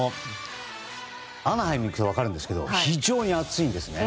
アナハイムに行くと分かるんですけど非常に暑いんですね。